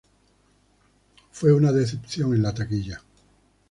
Fue una decepción en la taquilla.